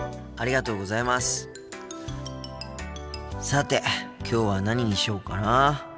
さてきょうは何にしようかなあ。